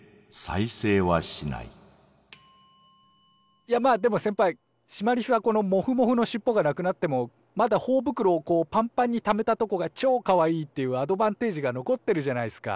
いやまあでも先ぱいシマリスはこのモフモフのしっぽがなくなってもまだほおぶくろをこうパンパンにためたとこがちょかわいいっていうアドバンテージが残ってるじゃないっすか。